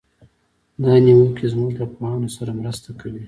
دا نیوکې زموږ له پوهانو سره مرسته کوي.